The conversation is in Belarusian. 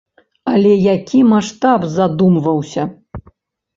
Але які маштаб задумваўся!